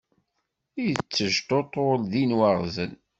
Yettejṭuṭul din waɣzen.